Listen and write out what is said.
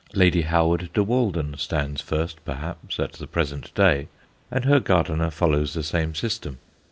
Lady Howard de Walden stands first, perhaps, at the present day, and her gardener follows the same system.